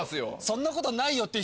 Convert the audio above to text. そんなことないよって